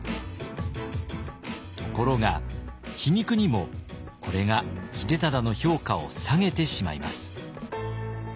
ところが皮肉にもこれが秀忠の評価を下げてしまいます。